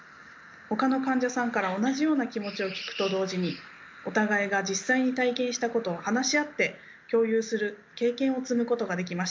ほかの患者さんから同じような気持ちを聞くと同時にお互いが実際に体験したことを話し合って共有する経験を積むことができました。